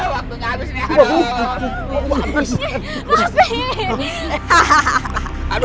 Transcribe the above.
waktu kalus nih aduh